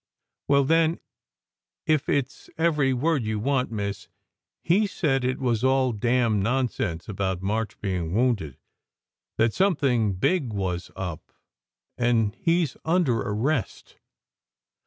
"Well, then, if it s every word you want, miss, he said it was all damn nonsense about March being wounded, that something big was up, and he s under arrest."